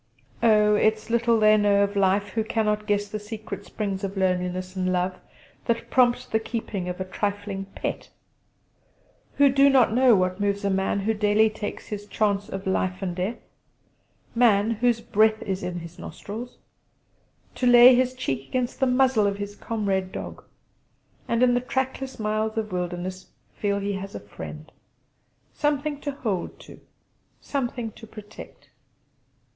Oh, it's little they know of life who cannot guess the secret springs of loneliness and love that prompt the keeping of a trifling pet; who do not know what moves a man who daily takes his chance of life and death man whose "breath is in his nostrils" to lay his cheek against the muzzle of his comrade dog, and in the trackless miles of wilderness feel he has a friend. Something to hold to; something to protect.